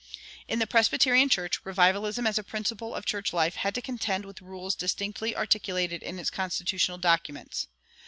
In the Presbyterian Church, revivalism as a principle of church life had to contend with rules distinctly articulated in its constitutional documents.